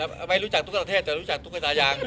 ไม่รู้จักทุกประเทศแต่รู้จักตุ๊กตายาง